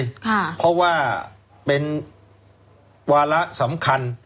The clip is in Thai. เพราะว่าเป็นวาระสำคัญ